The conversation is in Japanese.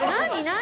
何？